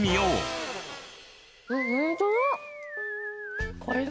ホントだ！